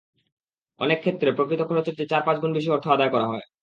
অনেক ক্ষেত্রে প্রকৃত খরচের চেয়ে চার-পাঁচ গুণ বেশি অর্থ আদায় করা হয়।